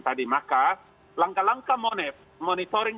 tadi maka langkah langkah monitoring